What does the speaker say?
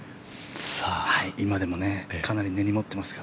今でもかなり根に持ってますが。